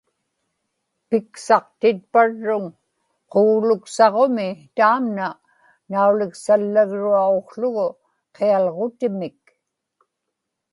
piksaqtitparruŋ qugluksaġumi taamna nauliksallagruaġukługu qialġutimik